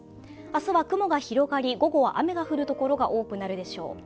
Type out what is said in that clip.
明日は雲が広がり、午後は雨が降る所が多くなるでしょう。